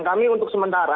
kami untuk sementara